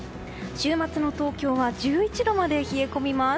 週末の東京は１１度まで冷え込みます。